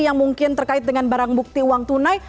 yang mungkin terkait dengan barang bukti uang tunai